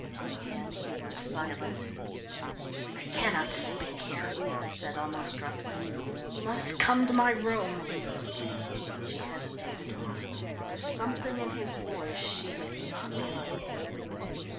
Again he was silent. "I cannot speak here," he said almost roughly. "You must come to my room." She hesitated. There was something in his voice she did not like.